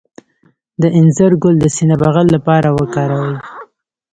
د انځر ګل د سینه بغل لپاره وکاروئ